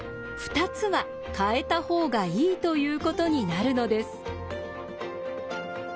２つは変えた方がいいということになるのです。